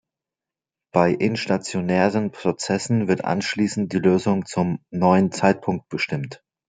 Bei instationären Prozessen wird anschließend die Lösung zum neuen Zeitpunkt bestimmt.